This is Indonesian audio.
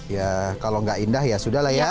ya kalau nggak indah ya sudah lah ya